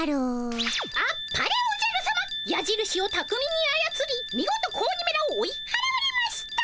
あっぱれおじゃるさま。やじるしをたくみにあやつりみごと子鬼めらを追いはらわれました。